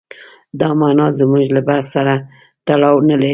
دا معنا زموږ له بحث سره تړاو نه لري.